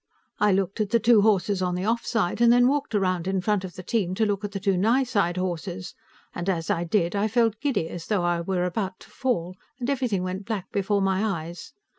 I looked at the two horses on the off side, and then walked around in front of the team to look at the two nigh side horses, and as I did I felt giddy, as though I were about to fall, and everything went black before my eyes.